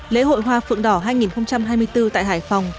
lễ hội hoa phượng đỏ hai nghìn hai mươi bốn tại hải phòng